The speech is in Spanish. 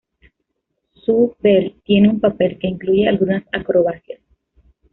Zoë Bell tiene un papel, que incluye algunas acrobacias.